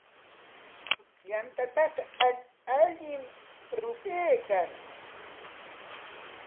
Yantataqa allim rupaykan.